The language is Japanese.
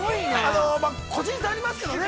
◆個人差ありますけどね。